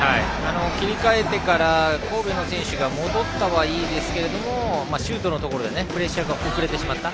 切り替えてから神戸の選手が戻ったはいいですがシュートのところでプレッシャーが遅れてしまった。